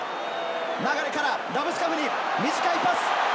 流からラブスカフに短いパス。